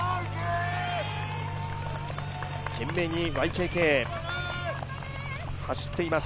懸命にＹＫＫ、走っています。